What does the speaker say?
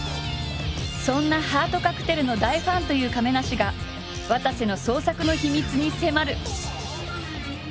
そんな「ハートカクテル」の大ファンという亀梨がわたせの創作の秘密に迫る！